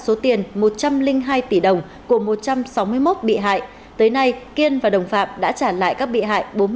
số tiền một trăm linh hai tỷ đồng của một trăm sáu mươi một bị hại tới nay kiên và đồng phạm đã trả lại các bị hại